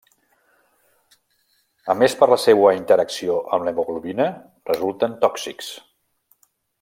A més per la seua interacció amb l'hemoglobina resulten tòxics.